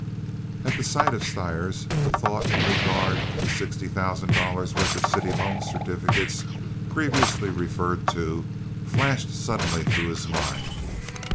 At the sight of Stires the thought in regard to the sixty thousand dollars' worth of city loan certificates, previously referred to, flashed suddenly through his mind.